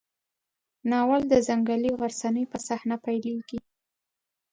ناول د ځنګلي غرڅنۍ په صحنه پیلېږي.